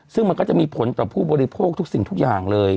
ซึ่งมันก็จะมีผลต่อผู้บริโภคทุกสิ่งทุกอย่างเลย